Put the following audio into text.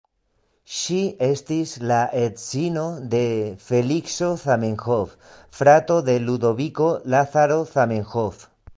Ŝi estis la edzino de Felikso Zamenhof, frato de Ludoviko Lazaro Zamenhof.